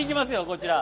こちら。